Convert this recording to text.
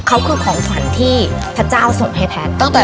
เขาคือของทุกคนที่พระเจ้าส่งให้แพทย์